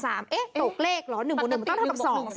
เอ๊ะตกเลขเหรอ๑บวก๑มันต้องเท่ากับ๒เสร็จ